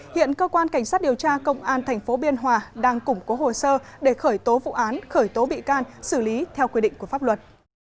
hiện cơ quan cảnh sát điều tra công an tp biên hòa đang củng cố hồ sơ để khởi tố vụ án khởi tố bị can xử lý theo quy định của pháp luật